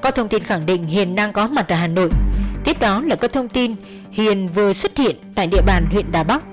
có thông tin khẳng định hiền đang có mặt ở hà nội tiếp đó là các thông tin hiền vừa xuất hiện tại địa bàn huyện đà bắc